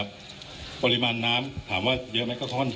คุณผู้ชมไปฟังผู้ว่ารัฐกาลจังหวัดเชียงรายแถลงตอนนี้ค่ะ